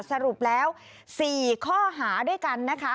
สรุปแล้ว๔ข้อหาด้วยกันนะคะ